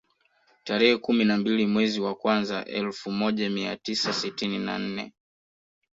Tarehe kumi na mbili mwezi wa kwanza elfu moja mia tisa sitini na nne